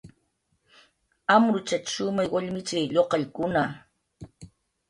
Amruchatx shumay wallmichi, lluqallkuna